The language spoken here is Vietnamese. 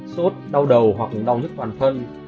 sốt đau đầu hoặc đau nhức toàn thân